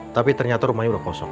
tapi ternyata rumahnya sudah kosong